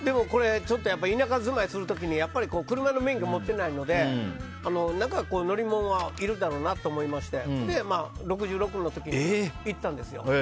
田舎住まいする時に車の免許は持ってないので乗り物いるだろうなと思いまして６６の時に行ったんですよ。